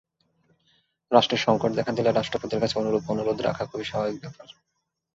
রাষ্ট্রে সংকট দেখা দিলে রাষ্ট্রপতির কাছে অনুরূপ অনুরোধ রাখা খুবই স্বাভাবিক ব্যাপার।